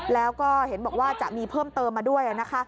แล้วก็เห็นบอกว่าจะมีเพิ่มเติมมาด้วยนะคะ